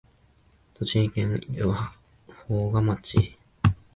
栃木県芳賀町